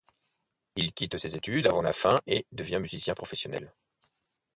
Il quitte ses études avant la fin et devient musicien professionnel.